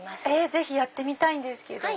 ぜひやってみたいんですけど。